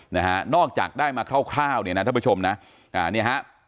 นะฮะนอกจากได้มาคร่าวคร่าวเนี่ยนะท่านผู้ชมนะอ่าเนี่ยฮะ